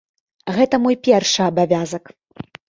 Гэта мой першы абавязак.